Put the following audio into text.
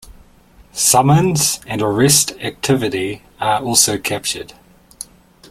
Summons and arrest activity are also captured.